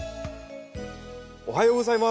おはようございます。